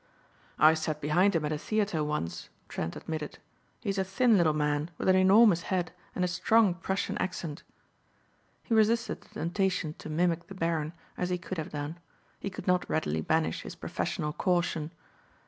"I sat behind him at a theater once," Trent admitted. "He's a thin little man with an enormous head and a strong Prussian accent." He resisted the temptation to mimic the Baron as he could have done. He could not readily banish his professional caution.